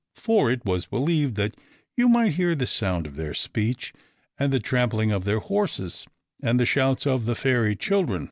For it was believed that you might hear the sound of their speech, and the trampling of their horses, and the shouts of the fairy children.